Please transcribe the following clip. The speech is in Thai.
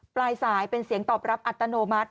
ปลายสายเป็นเสียงตอบรับอัตโนมัติ